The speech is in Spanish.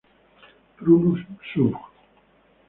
Prunus subg.